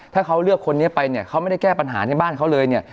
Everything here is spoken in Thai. ถ้าเขาเลือกคนนี้ไปเนี่ยเขาไม่ได้แก้ปัญหาในบ้านเขาเลยเนี่ย